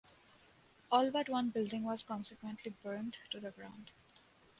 All but one building was consequently burned to the ground.